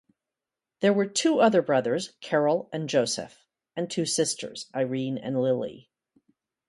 There were two other brothers, Carroll and Joseph, and two sisters, Irene and Lily.